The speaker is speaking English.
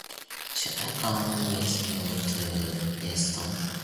Should I come with you to Keston?